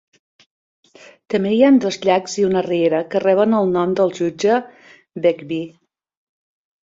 També hi ha dos llacs i una riera que reben el nom del jutge Begbie.